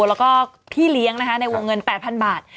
แล้วก็พี่เลี้ยงนะคะในวงเงิน๘๐๐๐บาท